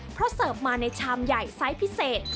เพราะเสิร์ฟมาในชามใหญ่ไซส์พิเศษ